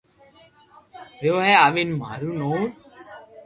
ريو ي آوين ماري نو ر